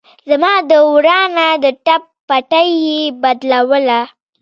زما د ورانه د ټپ پټۍ يې بدلوله.